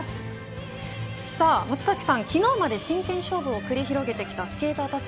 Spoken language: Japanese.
松崎さん、昨日まで真剣勝負を繰り広げてきたスケーターたち